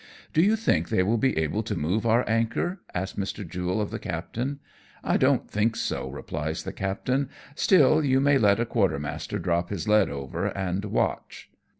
" Do you think they will be able to move our anchor ?" asks Mr. Jule of the captain. " I don't think so," replies the captain. " Still, you may let a quartermaster drop his lead over and watch."